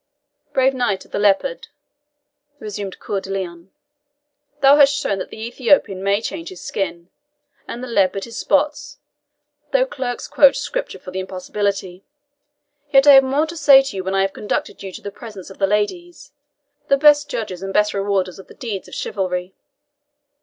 "Brave Knight of the Leopard," resumed Coeur de Lion, "thou hast shown that the Ethiopian may change his skin, and the leopard his spots, though clerks quote Scripture for the impossibility. Yet I have more to say to you when I have conducted you to the presence of the ladies, the best judges and best rewarders of deeds of chivalry."